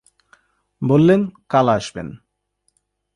বললেন কাল আসবেন।